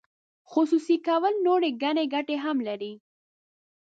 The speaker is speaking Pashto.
خصوصي کول نورې ګڼې ګټې هم لري.